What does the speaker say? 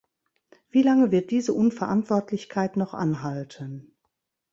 Wie lange wird diese Unverantwortlichkeit noch anhalten?